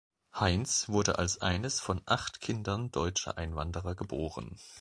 Heinz wurde als eines von acht Kindern deutscher Einwanderer geboren.